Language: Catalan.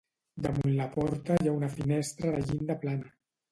Damunt la porta hi ha una finestra de llinda plana.